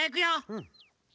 うん。